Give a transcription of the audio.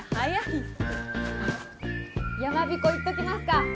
山びこいっときますか？